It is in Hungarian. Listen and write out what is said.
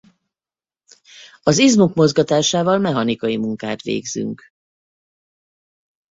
Az izmok mozgatásával mechanikai munkát végzünk.